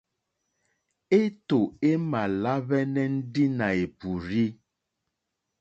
Étò é mà lá hwɛ́nɛ́ ndí nà è pùrzí.